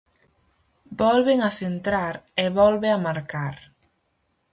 Volven a centrar, e volve a marcar.